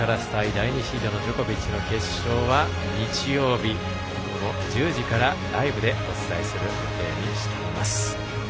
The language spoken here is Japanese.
第２シードのジョコビッチの決勝日曜日、夜１０時からライブでお伝えする予定にしています。